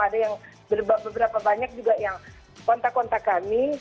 ada yang beberapa banyak juga yang kontak kontak kami